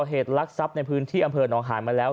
หลักซับในพื้นที่อำเภอน้องหายมาแล้ว